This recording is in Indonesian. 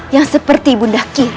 yang seperti ibunda kira